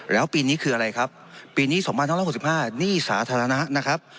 แล้วปีนี้คืออะไรครับปีนี้สองพันห้าร้อยหกสิบห้านี่สาธารณะนะครับ